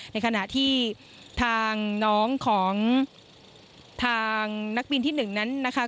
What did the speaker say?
ในขณะที่ทางน้องของทางนักบินที่๑นั้นนะคะ